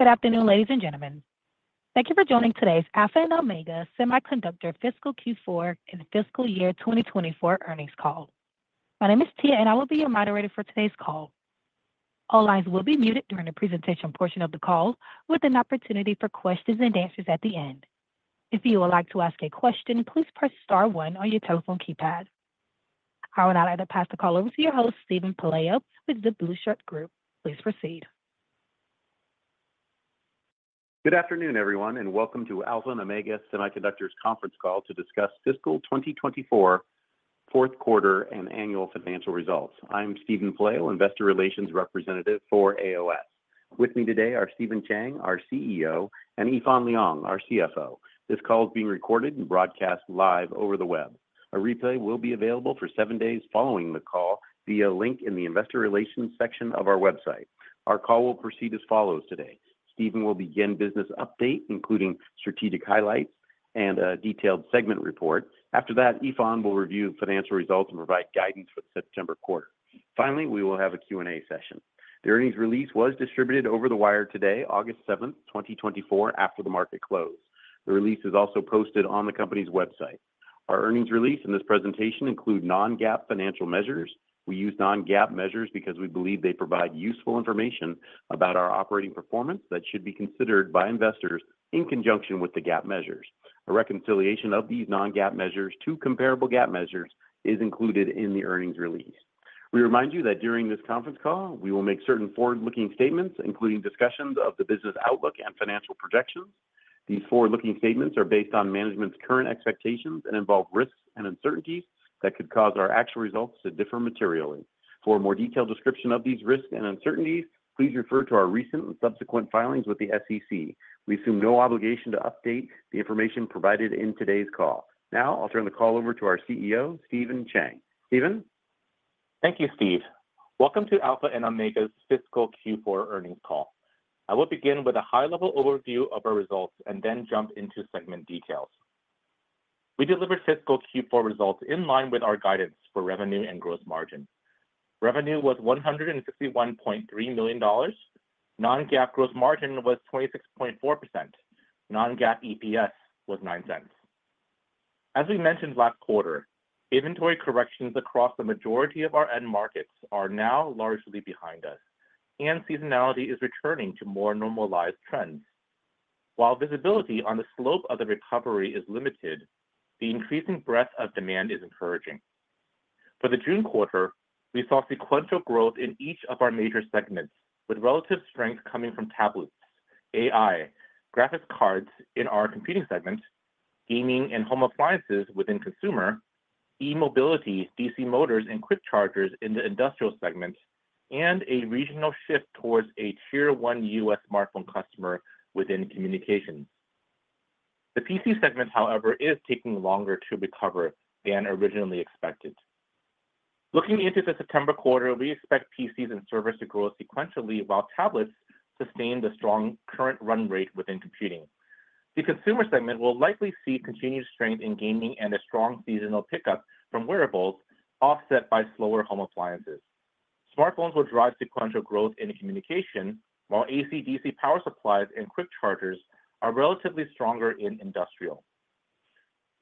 Good afternoon, ladies and gentlemen. Thank you for joining today's Alpha and Omega Semiconductor Fiscal Q4 and Fiscal Year 2024 earnings call. My name is Tia, and I will be your moderator for today's call. All lines will be muted during the presentation portion of the call, with an opportunity for questions and answers at the end. If you would like to ask a question, please press star one on your telephone keypad. I will now either pass the call over to your host, Steven Pelaio, with the Blue Shirt Group. Please proceed. Good afternoon, everyone, and welcome to Alpha and Omega Semiconductor conference call to discuss fiscal 2024 fourth quarter and annual financial results. I'm Steven Pelayo, Investor Relations Representative for AOS. With me today are Steven Chang, our CEO, and Yifan Liang, our CFO. This call is being recorded and broadcast live over the web. A replay will be available for 7 days following the call via a link in the investor relations section of our website. Our call will proceed as follows today: Steven will begin business update, including strategic highlights and a detailed segment report. After that, Yifan will review financial results and provide guidance for the September quarter. Finally, we will have a Q&A session. The earnings release was distributed over the wire today, August 7, 2024, after the market closed. The release is also posted on the company's website. Our earnings release and this presentation include non-GAAP financial measures. We use non-GAAP measures because we believe they provide useful information about our operating performance that should be considered by investors in conjunction with the GAAP measures. A reconciliation of these non-GAAP measures to comparable GAAP measures is included in the earnings release. We remind you that during this conference call, we will make certain forward-looking statements, including discussions of the business outlook and financial projections. These forward-looking statements are based on management's current expectations and involve risks and uncertainties that could cause our actual results to differ materially. For a more detailed description of these risks and uncertainties, please refer to our recent and subsequent filings with the SEC. We assume no obligation to update the information provided in today's call. Now, I'll turn the call over to our CEO, Steven Chang. Stephen? Thank you, Steve. Welcome to Alpha and Omega's Fiscal Q4 earnings call. I will begin with a high-level overview of our results and then jump into segment details. We delivered fiscal Q4 results in line with our guidance for revenue and gross margin. Revenue was $161.3 million. Non-GAAP gross margin was 26.4%. Non-GAAP EPS was $0.09. As we mentioned last quarter, inventory corrections across the majority of our end markets are now largely behind us, and seasonality is returning to more normalized trends. While visibility on the slope of the recovery is limited, the increasing breadth of demand is encouraging. For the June quarter, we saw sequential growth in each of our major segments, with relative strength coming from tablets, AI, graphics cards in our computing segment, gaming and home appliances within consumer, e-mobility, DC motors, and quick chargers in the industrial segment, and a regional shift towards a Tier One U.S. smartphone customer within communication. The PC segment, however, is taking longer to recover than originally expected. Looking into the September quarter, we expect PCs and servers to grow sequentially, while tablets sustain the strong current run rate within computing. The consumer segment will likely see continued strength in gaming and a strong seasonal pickup from wearables, offset by slower home appliances. Smartphones will drive sequential growth in communication, while AC-DC power supplies and quick chargers are relatively stronger in industrial.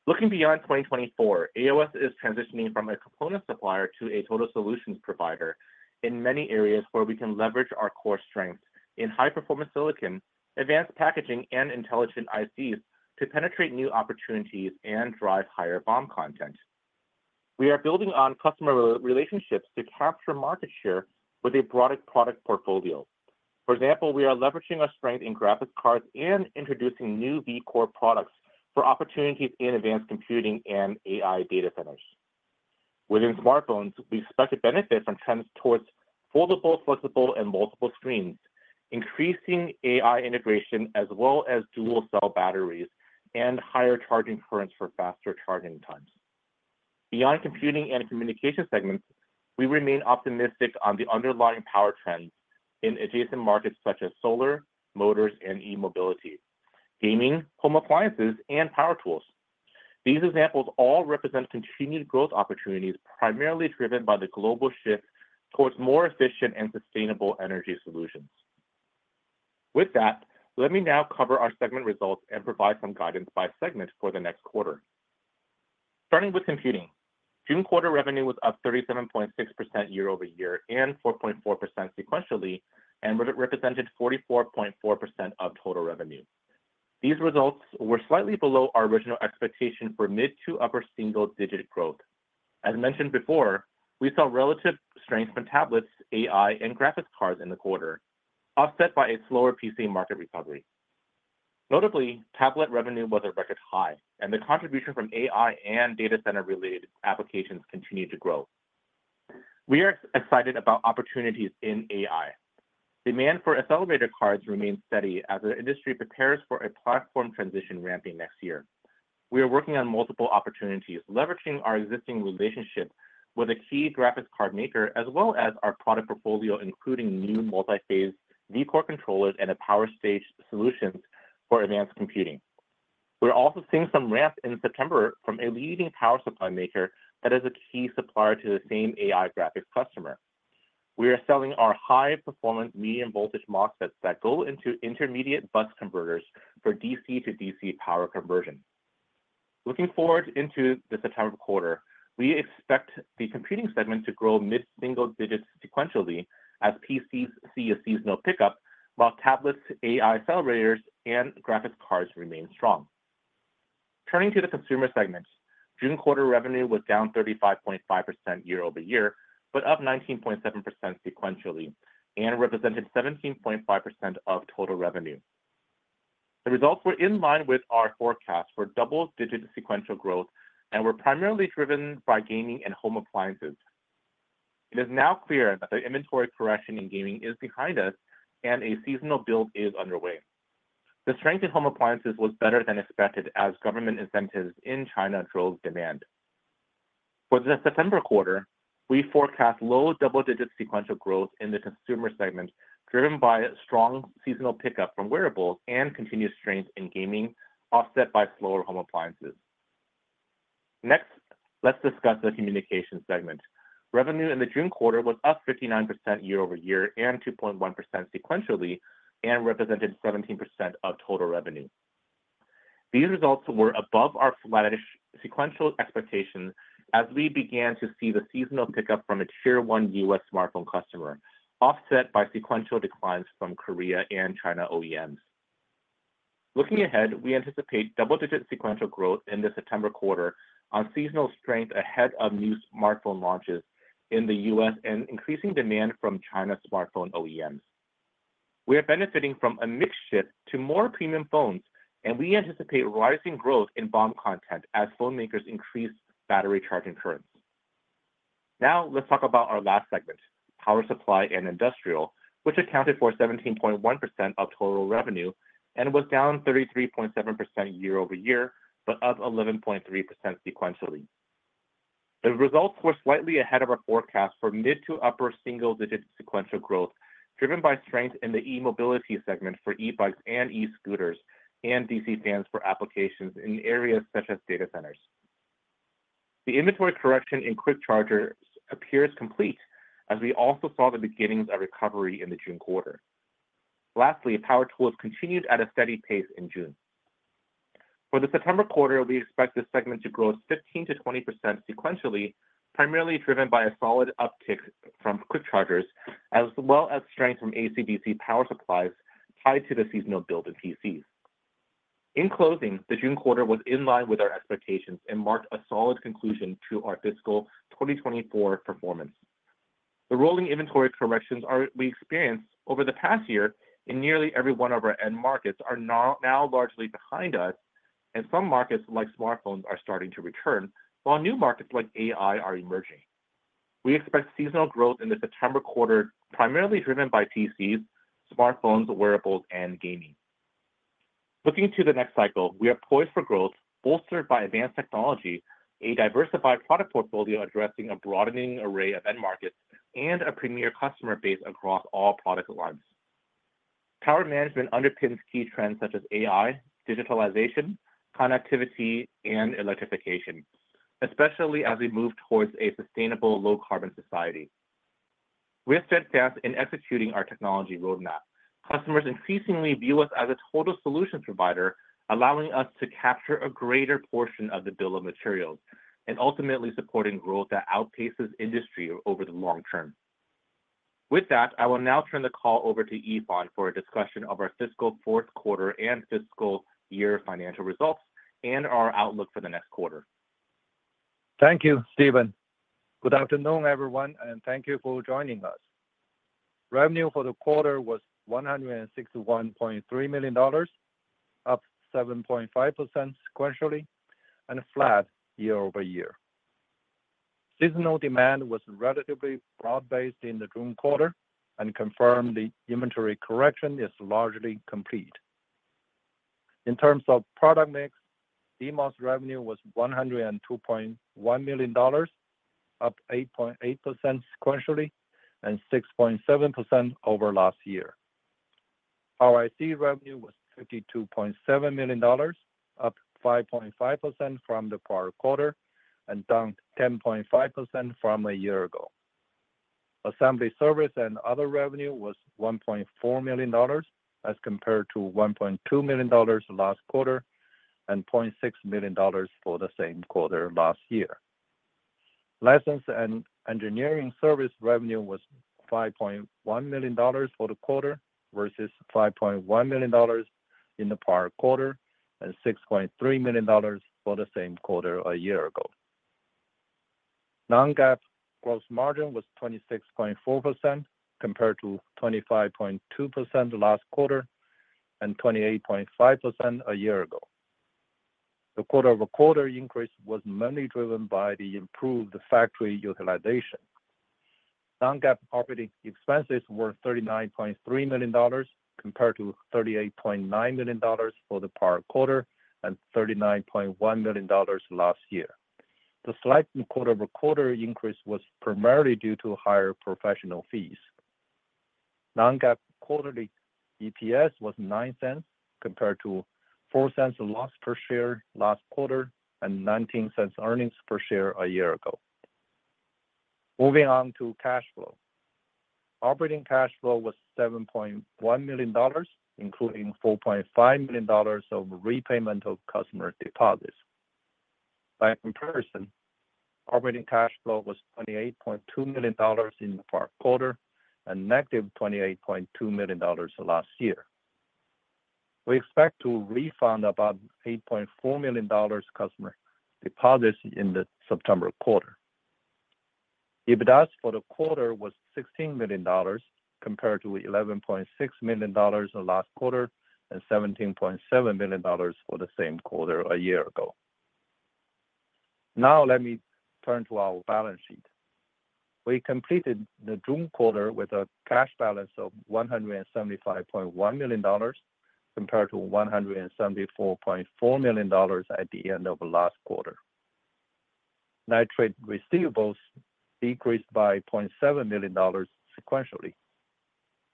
Looking beyond 2024, AOS is transitioning from a component supplier to a total solutions provider in many areas where we can leverage our core strengths in high-performance silicon, advanced packaging, and intelligent ICs to penetrate new opportunities and drive higher BOM content. We are building on customer relationships to capture market share with a broader product portfolio. For example, we are leveraging our strength in graphics cards and introducing new VCore products for opportunities in advanced computing and AI data centers. Within smartphones, we expect to benefit from trends towards foldable, flexible, and multiple screens, increasing AI integration, as well as dual-cell batteries and higher charging currents for faster charging times. Beyond computing and communication segments, we remain optimistic on the underlying power trends in adjacent markets such as solar, motors, and e-mobility, gaming, home appliances, and power tools. These examples all represent continued growth opportunities, primarily driven by the global shift towards more efficient and sustainable energy solutions. With that, let me now cover our segment results and provide some guidance by segment for the next quarter. Starting with computing. June quarter revenue was up 37.6% year-over-year and 4.4% sequentially, and represented 44.4% of total revenue. These results were slightly below our original expectation for mid- to upper single-digit growth. As mentioned before, we saw relative strength from tablets, AI, and graphics cards in the quarter, offset by a slower PC market recovery. Notably, tablet revenue was a record high, and the contribution from AI and data center-related applications continued to grow. We are excited about opportunities in AI. Demand for accelerator cards remains steady as the industry prepares for a platform transition ramping next year. We are working on multiple opportunities, leveraging our existing relationship with a key graphics card maker, as well as our product portfolio, including new multi-phase VCore controllers and a power stage solutions for advanced computing. We're also seeing some ramp in September from a leading power supply maker that is a key supplier to the same AI graphics customer. We are selling our high-performance medium voltage MOSFETs that go into intermediate bus converters for DC to DC power conversion. Looking forward into the September quarter, we expect the computing segment to grow mid-single digits sequentially, as PCs see a seasonal pickup, while tablets, AI accelerators, and graphics cards remain strong. Turning to the consumer segment, June quarter revenue was down 35.5% year-over-year, but up 19.7 sequentially, and represented 17.5% of total revenue. The results were in line with our forecast for double-digit sequential growth and were primarily driven by gaming and home appliances. It is now clear that the inventory correction in gaming is behind us, and a seasonal build is underway. The strength in home appliances was better than expected as government incentives in China drove demand. For the September quarter, we forecast low double-digit sequential growth in the consumer segment, driven by a strong seasonal pickup from wearables and continued strength in gaming, offset by slower home appliances. Next, let's discuss the communication segment. Revenue in the June quarter was up 59% year-over-year and 2.1 sequentially, and represented 17% of total revenue. These results were above our flatish sequential expectations as we began to see the seasonal pickup from a Tier 1 US smartphone customer, offset by sequential declines from Korea and China OEMs. Looking ahead, we anticipate double-digit sequential growth in the September quarter on seasonal strength ahead of new smartphone launches in the U.S. and increasing demand from China smartphone OEMs. We are benefiting from a mix shift to more premium phones, and we anticipate rising growth in BOM content as phone makers increase battery charging currents. Now, let's talk about our last segment, power supply and industrial, which accounted for 17.1% of total revenue and was down 33.7% year-over-year, but up 11.3 sequentially. The results were slightly ahead of our forecast for mid to upper single-digit sequential growth, driven by strength in the e-mobility segment for e-bikes and e-scooters, and DC fans for applications in areas such as data centers. The inventory correction in quick chargers appears complete, as we also saw the beginnings of recovery in the June quarter. Lastly, power tools continued at a steady pace in June. For the September quarter, we expect this segment to grow 15%-20% sequentially, primarily driven by a solid uptick from quick chargers, as well as strength from AC/DC power supplies tied to the seasonal build in PCs. In closing, the June quarter was in line with our expectations and marked a solid conclusion to our fiscal 2024 performance. The rolling inventory corrections we experienced over the past year in nearly every one of our end markets are now largely behind us, and some markets, like smartphones, are starting to return, while new markets like AI are emerging. We expect seasonal growth in the September quarter, primarily driven by PCs, smartphones, wearables, and gaming. Looking to the next cycle, we are poised for growth, bolstered by advanced technology, a diversified product portfolio addressing a broadening array of end markets, and a premier customer base across all product lines. Power management underpins key trends such as AI, digitalization, connectivity, and electrification, especially as we move towards a sustainable low-carbon society. We are steadfast in executing our technology roadmap. Customers increasingly view us as a total solution provider, allowing us to capture a greater portion of the bill of materials and ultimately supporting growth that outpaces industry over the long term. With that, I will now turn the call over to Yifan for a discussion of our fiscal fourth quarter and fiscal year financial results and our outlook for the next quarter. Thank you, Steven. Good afternoon, everyone, and thank you for joining us. Revenue for the quarter was $161.3 million, up 7.5% sequentially and flat year over year. Seasonal demand was relatively broad-based in the June quarter and confirmed the inventory correction is largely complete. In terms of product mix, DMOS revenue was $102.1 million, up 8.8% sequentially and 6.7% over last year. Our IC revenue was $52.7 million, up 5.5% from the prior quarter and down 10.5% from a year ago. Assembly service and other revenue was $1.4 million, as compared to $1.2 million last quarter and $0.6 million for the same quarter last year. License and engineering service revenue was $5.1 million for the quarter, versus $5.1 million in the prior quarter, and $6.3 million for the same quarter a year ago. Non-GAAP gross margin was 26.4%, compared to 25.2% last quarter and 28.5% a year ago. The quarter-over-quarter increase was mainly driven by the improved factory utilization. Non-GAAP operating expenses were $39.3 million, compared to $38.9 million for the prior quarter and $39.1 million last year. The slight quarter-over-quarter increase was primarily due to higher professional fees. Non-GAAP quarterly EPS was $0.09, compared to $0.04 loss per share last quarter, and $0.19 earnings per share a year ago. Moving on to cash flow. Operating cash flow was $7.1 million, including $4.5 million of repayment of customer deposits. By comparison, operating cash flow was $28.2 million in the fourth quarter, and -$28.2 million last year. We expect to refund about $8.4 million customer deposits in the September quarter. EBITDA for the quarter was $16 million, compared to $11.6 million last quarter, and $17.7 million for the same quarter a year ago. Now let me turn to our balance sheet. We completed the June quarter with a cash balance of $175.1 million, compared to $174.4 million at the end of the last quarter. Net trade receivables decreased by $0.7 million sequentially.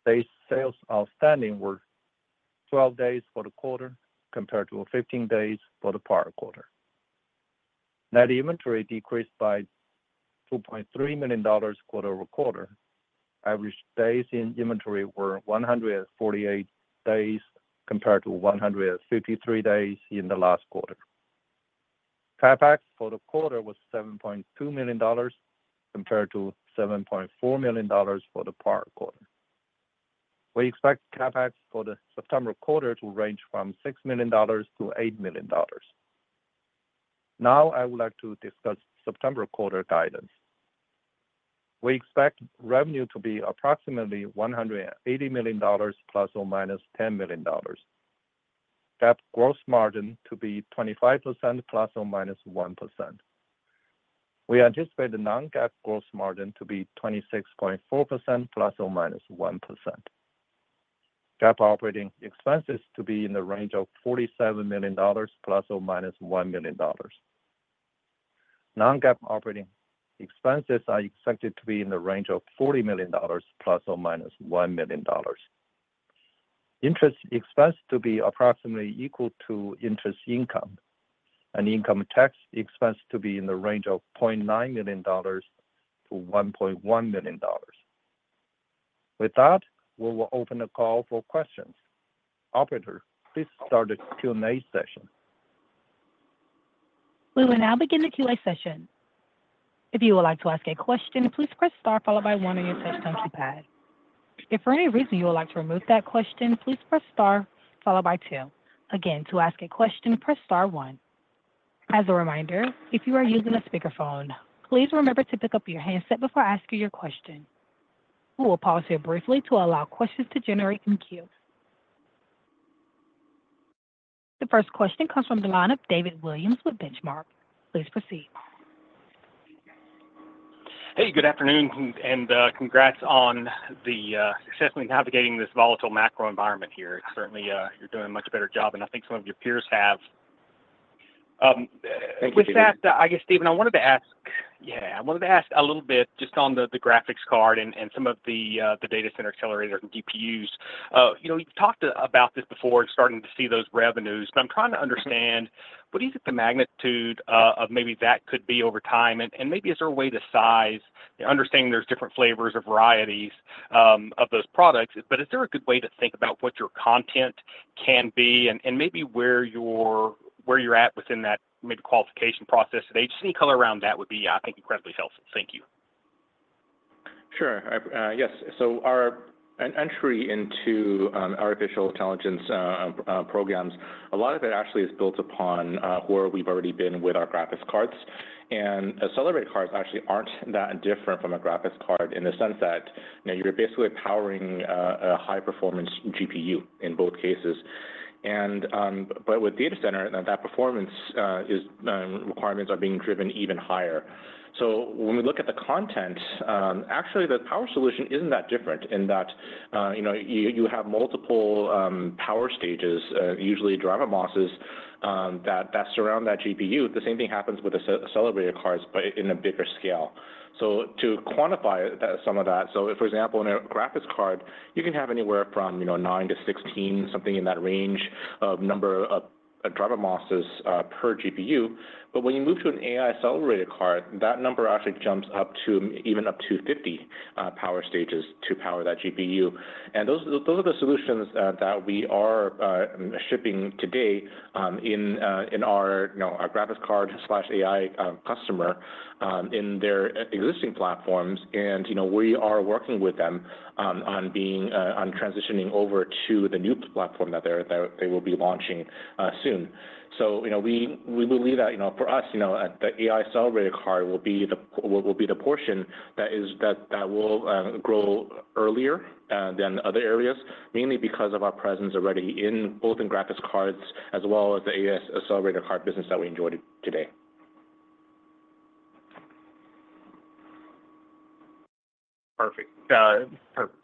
Days sales outstanding were 12 days for the quarter, compared to 15 days for the prior quarter. Net inventory decreased by $2.3 million quarter over quarter. Average days in inventory were 148 days, compared to 153 days in the last quarter. CapEx for the quarter was $7.2 million, compared to $7.4 million for the prior quarter. We expect CapEx for the September quarter to range from $6 million to $8 million. Now I would like to discuss September quarter guidance. We expect revenue to be approximately $180 million, ±$10 million. GAAP gross margin to be 25%, ±1%. We anticipate the non-GAAP gross margin to be 26.4%, ±1%. GAAP operating expenses to be in the range of $47 million ± $1 million. Non-GAAP operating expenses are expected to be in the range of $40 million ± $1 million. Interest expense to be approximately equal to interest income, and income tax expense to be in the range of $0.9 million-$1.1 million. With that, we will open the call for questions. Operator, please start the Q&A session. We will now begin the Q&A session. If you would like to ask a question, please press star followed by one on your telephone keypad. If for any reason you would like to remove that question, please press star followed by two. Again, to ask a question, press star one. As a reminder, if you are using a speakerphone, please remember to pick up your handset before asking your question. We will pause here briefly to allow questions to generate in queue. The first question comes from the line of David Williams with Benchmark. Please proceed. Hey, good afternoon, and congrats on the successfully navigating this volatile macro environment here. Certainly, you're doing a much better job than I think some of your peers have. Thank you. With that, I guess, Steven, I wanted to ask—yeah, I wanted to ask a little bit just on the graphics card and some of the data center accelerator and DPUs. You know, you've talked about this before, starting to see those revenues, but I'm trying to understand what do you think the magnitude of maybe that could be over time? And maybe is there a way to size, understanding there's different flavors or varieties of those products, but is there a good way to think about what your content can be and maybe where you're at within that mid qualification process? Just any color around that would be, I think, incredibly helpful. Thank you. Sure. Yes. So our entry into artificial intelligence programs, a lot of it actually is built upon where we've already been with our graphics cards. And accelerator cards actually aren't that different from a graphics card in the sense that, you know, you're basically powering a high-performance GPU in both cases. And but with data center, that performance is requirements are being driven even higher. So when we look at the content, actually, the power solution isn't that different in that, you know, you have multiple power stages, usually driver MOSFETs, that surround that GPU. The same thing happens with the accelerator cards, but in a bigger scale. So to quantify that, some of that, so for example, in a graphics card, you can have anywhere from, you know, 9 to 16, something in that range, of number of driver MOSFETs per GPU. But when you move to an AI accelerator card, that number actually jumps up to even up to 50 power stages to power that GPU. And those are the solutions that we are shipping today in our graphics card/AI customer in their existing platforms. And, you know, we are working with them on transitioning over to the new platform that they will be launching soon. So, you know, we believe that, you know, for us, you know, the AI accelerator card will be the portion that will grow earlier than other areas, mainly because of our presence already in both graphics cards as well as the AI accelerator card business that we enjoy today. Perfect.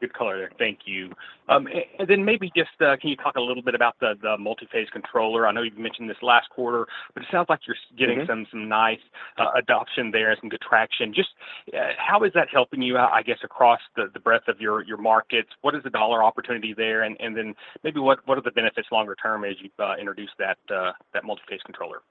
Good color there. Thank you. And then maybe just can you talk a little bit about the multi-phase controller? I know you've mentioned this last quarter, but it sounds like you're getting- Mm-hmm Some nice adoption there and some good traction. Just how is that helping you out, I guess, across the breadth of your markets? What is the dollar opportunity there? And then maybe what are the benefits longer term as you've introduced that multi-phase controller?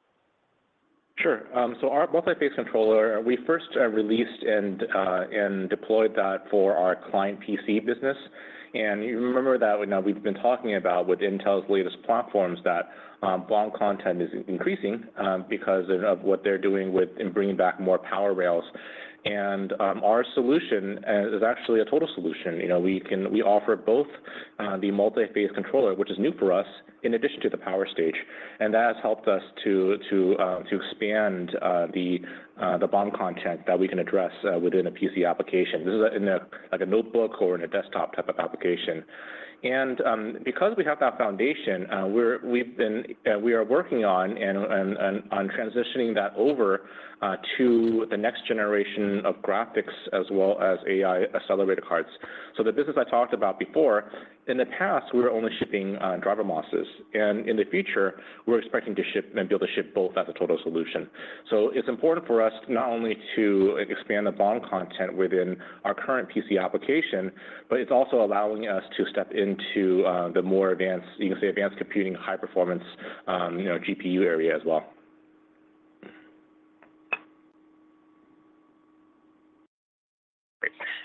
Sure. So our multi-phase controller, we first released and deployed that for our client PC business. And you remember that when now we've been talking about with Intel's latest platforms, that BOM content is increasing because of what they're doing with in bringing back more power rails. And our solution is actually a total solution. You know, we can offer both the multi-phase controller, which is new for us, in addition to the power stage, and that has helped us to expand the BOM content that we can address within a PC application. This is in a like a notebook or in a desktop type of application. Because we have that foundation, we've been working on transitioning that over to the next generation of graphics as well as AI accelerator cards. So the business I talked about before, in the past, we were only shipping driver MOSFETs, and in the future, we're expecting to ship and be able to ship both as a total solution. So it's important for us not only to expand the BOM content within our current PC application, but it's also allowing us to step into the more advanced, you can say, advanced computing, high performance, you know, GPU area as well.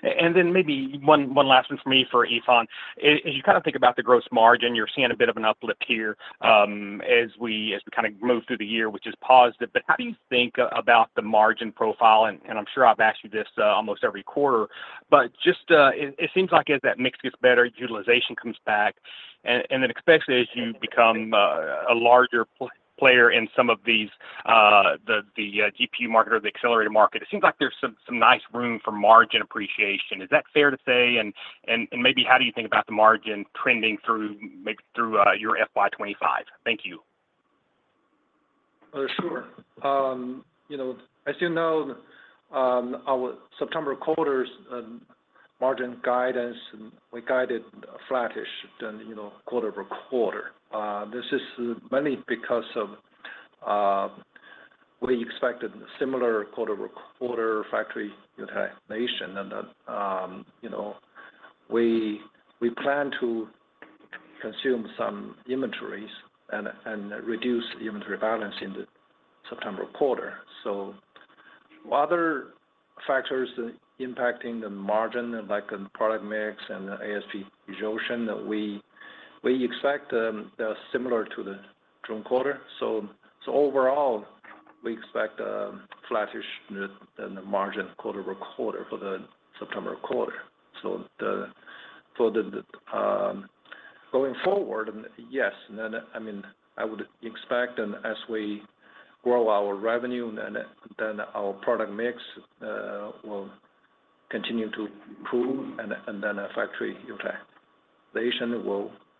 Great. And then maybe one last one for me, for Yifan. As you kind of think about the gross margin, you're seeing a bit of an uplift here, as we kind of move through the year, which is positive. But how do you think about the margin profile? And I'm sure I've asked you this almost every quarter, but just it seems like as that mix gets better, utilization comes back. And then especially as you become a larger player in some of these, the GPU market or the accelerator market, it seems like there's some nice room for margin appreciation. Is that fair to say? And maybe how do you think about the margin trending through, like, through your FY 25? Thank you. Sure. You know, as you know, our September quarter's margin guidance, we guided flattish than, you know, quarter-over-quarter. This is mainly because of, we expected similar quarter-over-quarter factory utilization. And then, you know, we plan to consume some inventories and reduce inventory balance in the September quarter. So other factors impacting the margin, like the product mix and the ASP solution, that we expect, they are similar to the current quarter. So overall, we expect, flattish than the margin quarter-over-quarter for the September quarter. So for the going forward, yes, then, I mean, I would expect and as we grow our revenue, then our product mix will continue to improve, and then our factory utilization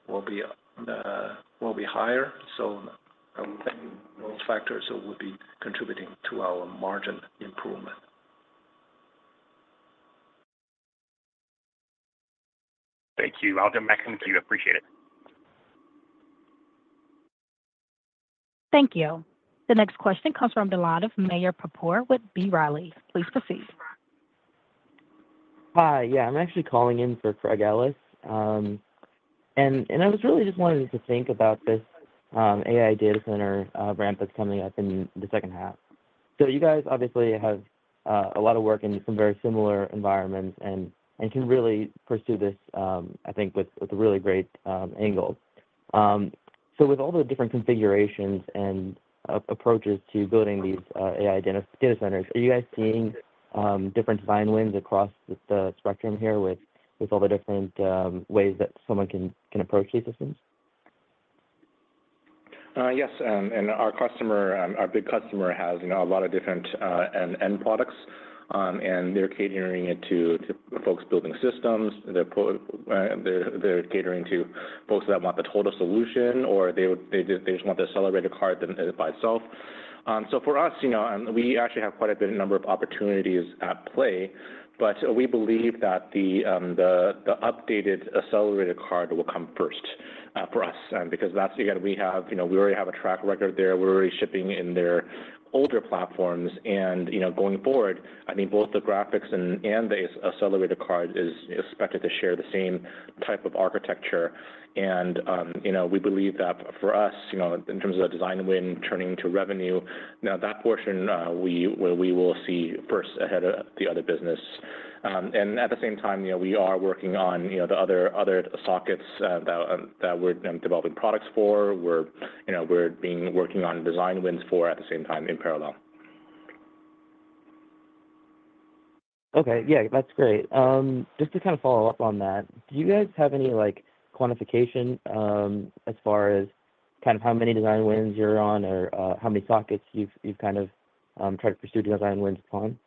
will be higher. So those factors will be contributing to our margin improvement. Thank you. I'll get back to you. Appreciate it. Thank you. The next question comes from Dildar Kapur with B. Riley. Please proceed. Hi. Yeah, I'm actually calling in for Craig Ellis. I was really just wondering to think about this AI data center ramp that's coming up in the second half. So you guys obviously have a lot of work in some very similar environments and can really pursue this, I think, with a really great angle. So with all the different configurations and approaches to building these AI data centers, are you guys seeing different design wins across the spectrum here with all the different ways that someone can approach these systems? Yes, and our customer, our big customer has, you know, a lot of different end products, and they're catering it to folks building systems. They're catering to folks that want the total solution, or they just want the accelerator card than by itself. So for us, you know, and we actually have quite a good number of opportunities at play, but we believe that the updated accelerator card will come first for us. Because that's again, we have, you know, we already have a track record there. We're already shipping in their older platforms, and, you know, going forward, I mean, both the graphics and the accelerator card is expected to share the same type of architecture. You know, we believe that for us, you know, in terms of the design win turning to revenue, now, that portion, we will see first ahead of the other business. And at the same time, you know, we are working on, you know, the other, other sockets that that we're developing products for. We're, you know, we're working on design wins for at the same time in parallel. Okay. Yeah, that's great. Just to kind of follow up on that, do you guys have any, like, quantification, as far as kind of how many design wins you're on or, how many sockets you've kind of tried to pursue design wins upon?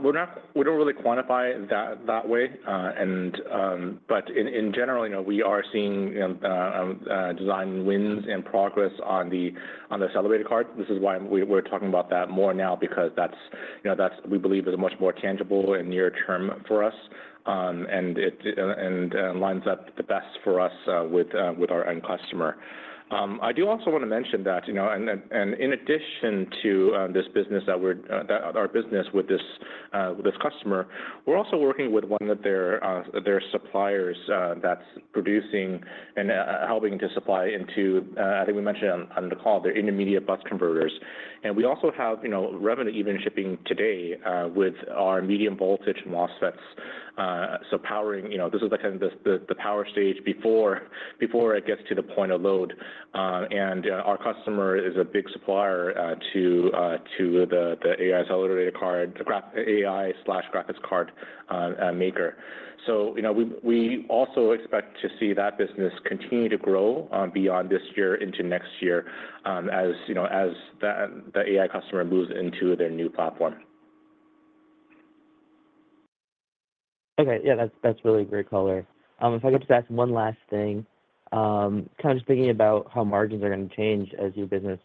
We're not- we don't really quantify that that way, and, but in general, you know, we are seeing design wins and progress on the accelerator card. This is why we're talking about that more now, because that's, you know, that's we believe is a much more tangible and near term for us, and it lines up the best for us with our end customer. I do also want to mention that, you know, and then, in addition to this business that we're, that our business with this customer, we're also working with one of their suppliers that's producing and helping to supply into, I think we mentioned on the call, their intermediate bus converters. And we also have, you know, revenue even shipping today with our medium voltage MOSFETs. So powering, you know, this is the kind of power stage before it gets to the point of load. And our customer is a big supplier to the AI accelerator card, the AI/graphics card maker. So, you know, we also expect to see that business continue to grow beyond this year into next year, as, you know, as the AI customer moves into their new platform. Okay, yeah, that's, that's really great color. If I could just ask one last thing, kind of just thinking about how margins are going to change as your business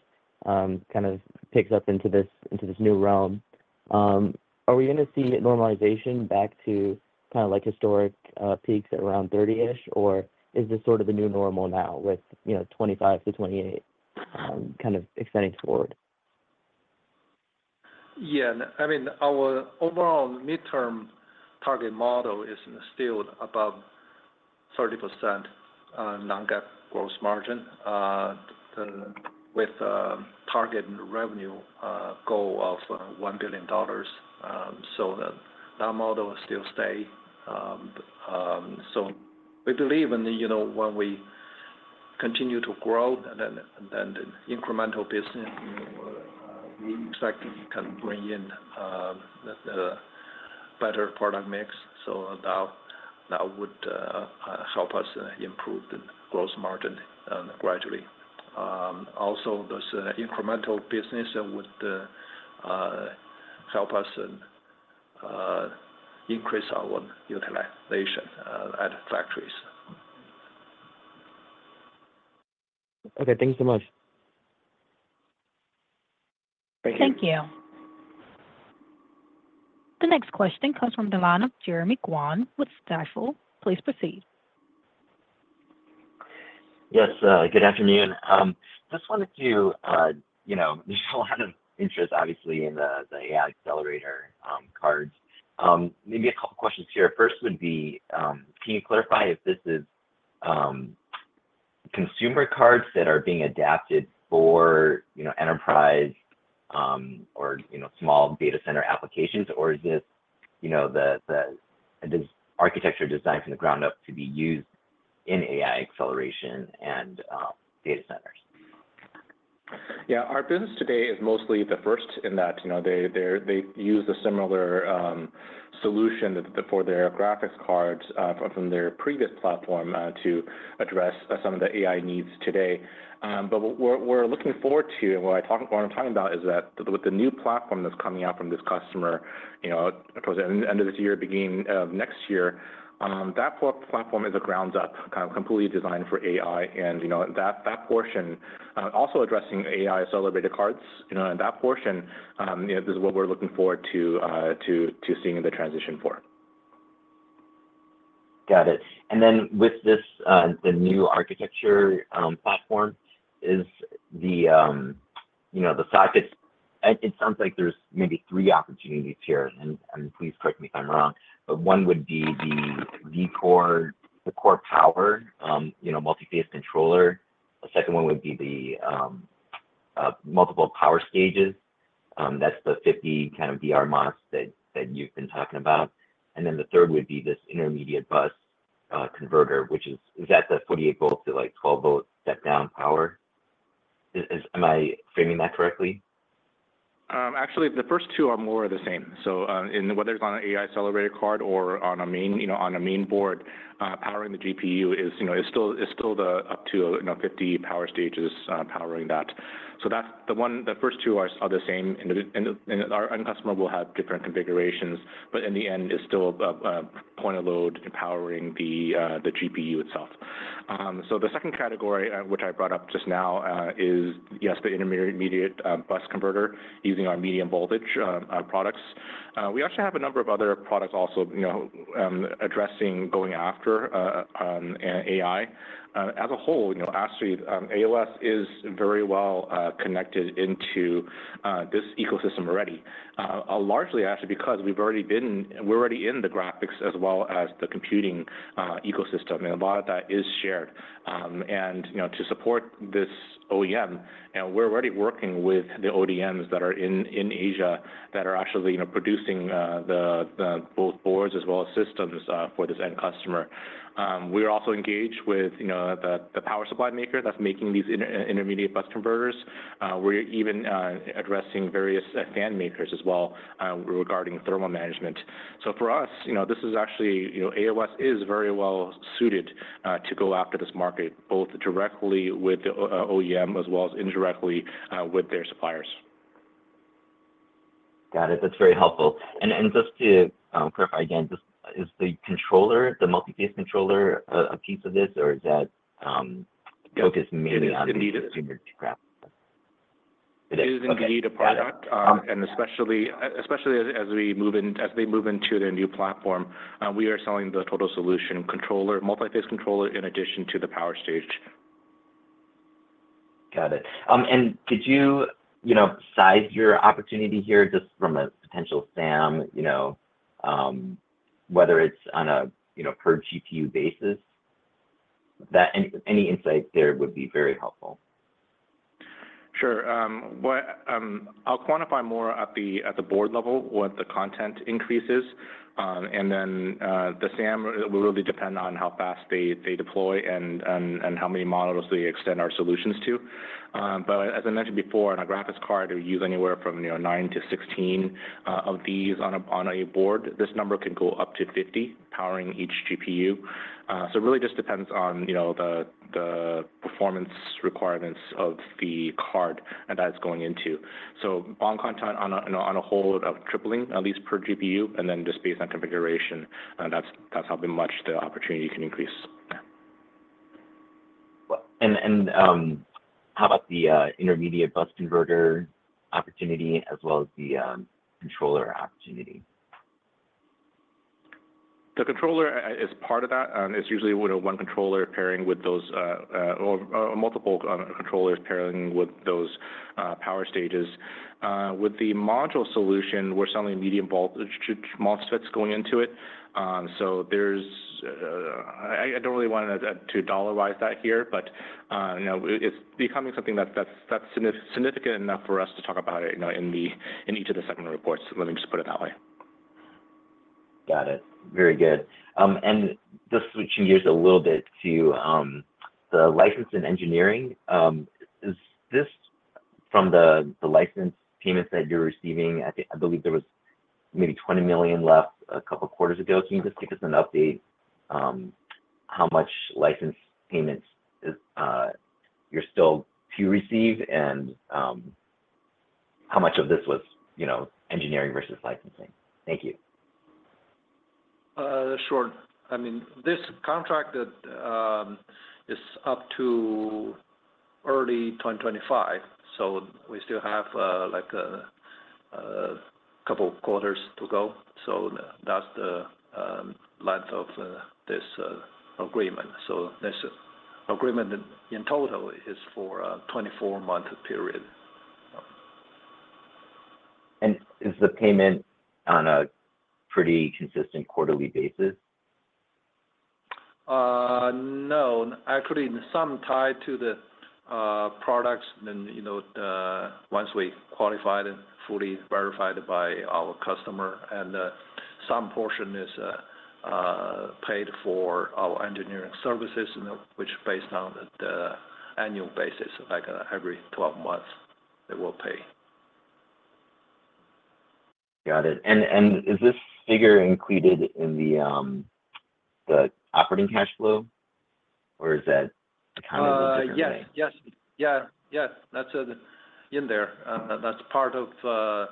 kind of picks up into this, into this new realm, are we going to see normalization back to kind of like historic peaks at around 30-ish%, or is this sort of the new normal now with, you know, 25%-28% kind of extending forward? Yeah. I mean, our overall midterm target model is still above 30% non-GAAP gross margin, with target and revenue goal of $1 billion, so that model will still stay. So we believe in, you know, when we continue to grow and then, and incremental business, we expect we can bring in the better product mix, so that would help us improve the gross margin gradually. Also, this incremental business would help us increase our utilization at factories. Okay, thanks so much. Thank you. Thank you. The next question comes from the line of Jeremy Kwan with Stifel. Please proceed. Yes, good afternoon. Just wanted to, you know, there's a lot of interest, obviously, in the AI accelerator cards. Maybe a couple questions here. First would be, can you clarify if this is consumer cards that are being adapted for, you know, enterprise or small data center applications? Or is this, you know, this architecture designed from the ground up to be used in AI acceleration and data centers? Yeah, our business today is mostly the first in that, you know, they use a similar solution for their graphics cards from their previous platform to address some of the AI needs today. But what we're looking forward to, and what I'm talking about is that with the new platform that's coming out from this customer, you know, towards the end of this year, beginning of next year, that platform is a ground up, kind of completely designed for AI. And, you know, that portion also addressing AI accelerator cards, you know, and that portion, you know, this is what we're looking forward to, to seeing the transition for. Got it. And then with this, the new architecture platform, it sounds like there's maybe three opportunities here, and please correct me if I'm wrong, but one would be the VCore, the core power, you know, multi-phase controller. The second one would be the multiple power stages. That's the 50 kind of VR MOSFETs that you've been talking about. And then the third would be this intermediate bus converter, which is that the 48 volt to, like, 12 volt step down power? Is... Am I framing that correctly? Actually, the first two are more of the same. So, and whether it's on an AI accelerator card or on a main, you know, on a main board, powering the GPU is, you know, still up to, you know, 50 power stages, powering that. So that's the one—the first two are the same, and our end customer will have different configurations, but in the end, it's still a point of load powering the GPU itself. So the second category, which I brought up just now, is yes, the intermediate bus converter, using our medium voltage products. We actually have a number of other products also, you know, addressing going after AI. As a whole, you know, AOS is very well connected into this ecosystem already. Largely actually because we're already in the graphics as well as the computing ecosystem, and a lot of that is shared. And, you know, to support this OEM, and we're already working with the ODMs that are in Asia, that are actually, you know, producing both boards as well as systems for this end customer. We are also engaged with, you know, the power supply maker that's making these intermediate bus converters. We're even addressing various fan makers as well regarding thermal management. So for us, you know, this is actually, you know, AOS is very well suited to go after this market, both directly with the OEM, as well as indirectly with their suppliers. Got it. That's very helpful. And just to clarify again, just is the controller, the multi-phase controller, a piece of this, or is that focused mainly on the intermediate bus? It is indeed a product, and especially as they move into their new platform, we are selling the total solution controller, multi-phase controller, in addition to the power stage. Got it. Did you, you know, size your opportunity here just from a potential SAM, you know, whether it's on a, you know, per GPU basis? That any insight there would be very helpful. Sure. What, I'll quantify more at the board level what the content increase is. And then, the SAM will really depend on how fast they deploy and how many models we extend our solutions to. But as I mentioned before, on a graphics card, we use anywhere from, you know, 9-16 of these on a board. This number can go up to 50, powering each GPU. So it really just depends on, you know, the performance requirements of the card that it's going into. So BOM content on a whole of tripling, at least per GPU, and then just based on configuration, that's how much the opportunity can increase. Well, how about the intermediate bus converter opportunity as well as the controller opportunity? The controller as part of that, it's usually with one controller pairing with those, or multiple controllers pairing with those, power stages. With the module solution, we're selling medium voltage MOSFETs going into it. So there's... I don't really want to dollarize that here, but you know, it's becoming something that's significant enough for us to talk about it, you know, in each of the segment reports. Let me just put it that way. Got it. Very good. Just switching gears a little bit to the license and engineering. Is this from the license payments that you're receiving? I think, I believe there was maybe $20 million left a couple quarters ago. Can you just give us an update, how much license payments is you're still to receive and, how much of this was, you know, engineering versus licensing? Thank you. Sure. I mean, this contract that is up to early 2025, so we still have like a couple quarters to go. So that's the length of this agreement. So this agreement in total is for a 24-month period. Is the payment on a pretty consistent quarterly basis? No. Actually, some tied to the products, then, you know, once we qualified and fully verified by our customer, and some portion is paid for our engineering services, you know, which based on the annual basis, like every 12 months they will pay. Got it. And is this figure included in the operating cash flow, or is that accounted for differently? Yes. Yes. Yeah, yes, that's in there. That's part of...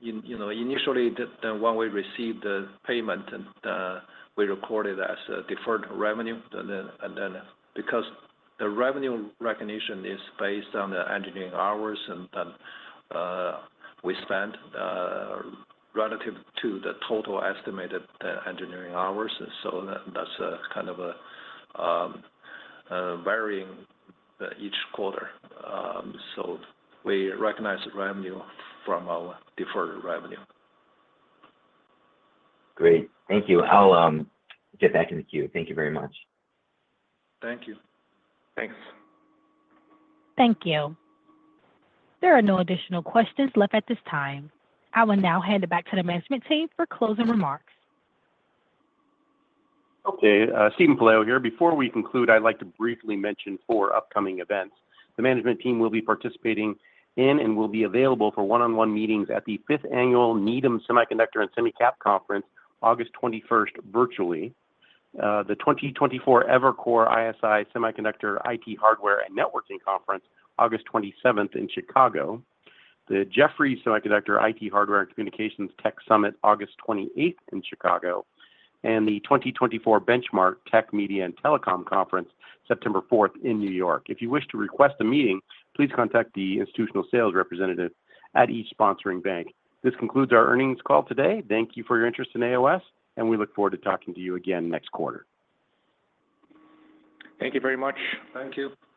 You know, initially, when we received the payment and, we recorded as a deferred revenue. And then, because the revenue recognition is based on the engineering hours and, we spent, relative to the total estimated, engineering hours. So that's a kind of a varying each quarter. So we recognize the revenue from our deferred revenue. Great. Thank you. I'll get back in the queue. Thank you very much. Thank you. Thanks. Thank you. There are no additional questions left at this time. I will now hand it back to the management team for closing remarks. Okay, Steven Pelayo here. Before we conclude, I'd like to briefly mention four upcoming events. The management team will be participating in and will be available for one-on-one meetings at the 5th Annual Needham Semiconductor and Semicap Conference, August 21, virtually. The 2024 Evercore ISI Semiconductor IT Hardware and Networking Conference, August 27 in Chicago. The Jefferies Semiconductor, IT Hardware and Communications Tech Summit, August 28 in Chicago, and the 2024 Benchmark Tech Media and Telecom Conference, September 4 in New York. If you wish to request a meeting, please contact the institutional sales representative at each sponsoring bank. This concludes our earnings call today. Thank you for your interest in AOS, and we look forward to talking to you again next quarter. Thank you very much. Thank you.